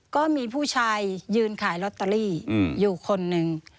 ก็มีผู้ชายยืนขายลอตเตอรี่อยู่คนหนึ่ง